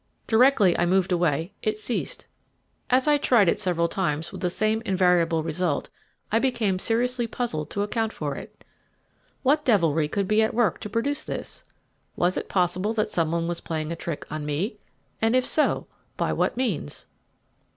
Directly I moved away it ceased. As I tried it several times with the same invariable result, I became seriously puzzled to account for it. What devilry could be at work to produce this? Was it possible that some one was playing a trick on me? and if so, by what means?